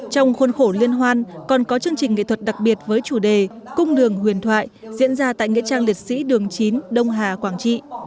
trong khuôn khổ liên hoan còn có chương trình nghệ thuật đặc biệt với chủ đề cung đường huyền thoại diễn ra tại nghệ trang liệt sĩ đường chín đông hà quảng trị